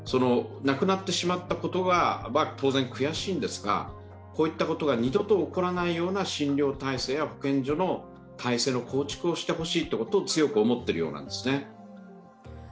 亡くなってしまったことは当然悔しいんですがこういったことが二度と起こらないような診療体制や保健所の体制の構築をしてほしいと強く思っているようなんですね。